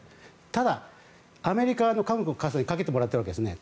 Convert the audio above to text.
ただ、アメリカの核の傘にかけてもらっているわけですよね。